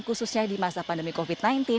khususnya di masa pandemi covid sembilan belas